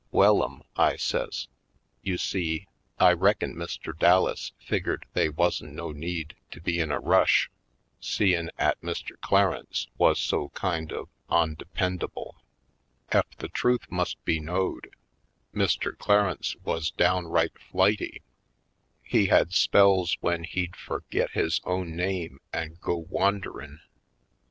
"Wellum," I says, "you see, I reckin Mr. Dallas figgered they wuzn' no need to be in a rush seein' 'at Mr. Clarence wuz so kind of ondependable. Ef the truth must 218 /. PoindexteVj Colored be knowed, Mr. Clarence wuz downright flighty. He had spells w'en he'd furgit his own name an' go wanderin'.